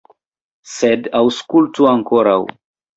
Sed aŭskultu ankoraŭ.